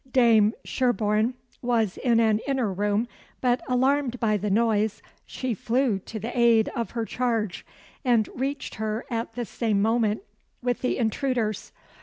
Dame Sherborne was in an inner room, but, alarmed by the noise, she flew to the aid of her charge, and reached her at the same moment with the intruders.